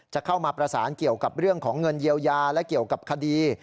จะเข้ามาประสานเกี่ยวกับเรื่องของเงินเยียวยาและเกี่ยวกับคดี